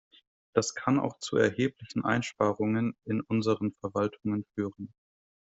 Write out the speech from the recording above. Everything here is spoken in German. Das kann auch zu erheblichen Einsparungen in unseren Verwaltungen führen.